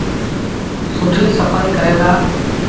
سُٺيٚ سڦآئيٚ ڪرين دآ۔